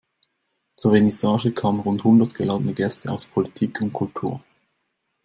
Zur Vernissage kamen rund hundert geladene Gäste aus Politik und Kultur.